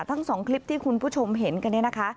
ทั้งสองคลิปที่คุณผู้ชมเห็นกันเนี่ยนะคะ